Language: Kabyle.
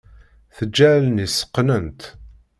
Teǧǧa allen-is qqnent.